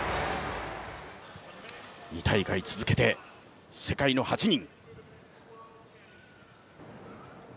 ２大会続けて世界の８人。